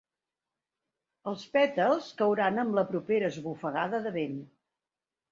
Els pètals cauran amb la propera esbufegada de vent.